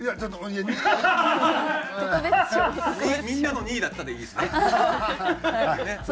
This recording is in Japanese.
みんなの２位だったでいいですね？